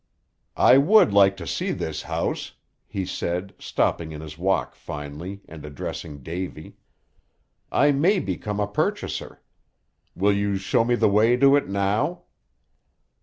"I would like to see this house," he said, stopping in his walk finally, and addressing Davy. "I may become a purchaser. Will you show me the way to it, now?"